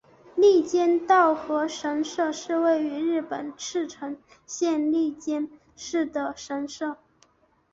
笠间稻荷神社是位于日本茨城县笠间市的神社。